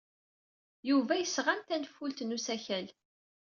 Yuba yesɣan tanfult n usakal.